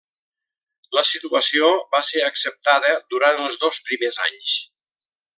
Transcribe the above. La situació va ser acceptada durant els dos primers anys.